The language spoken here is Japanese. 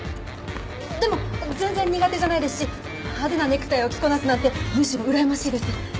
でも全然苦手じゃないですし派手なネクタイを着こなすなんてむしろうらやましいです。